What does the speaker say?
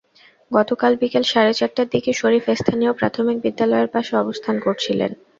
গতকাল বিকেল সাড়ে চারটার দিকে শরীফ স্থানীয় প্রাথমিক বিদ্যালয়ের পাশে অবস্থান করছিলেন।